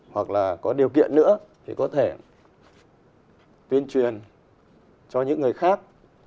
hoặc là có điều kiện nữa thì có thể tuyên truyền cho những người khác